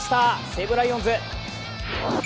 西武ライオンズ。